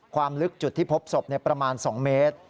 ความลึกจุดที่พบศพประมาณ๒เมตร